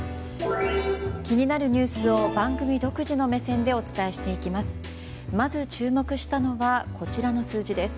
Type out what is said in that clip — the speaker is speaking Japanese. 気になるニュースを番組独自の目線でお伝えします。